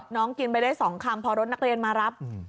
น้องกินไปได้๒คำพอรถนักเรียนมารับ